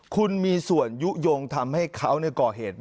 คุณมีส่วนยุ้งทำให้เขาเนี่ยก่อเหตุ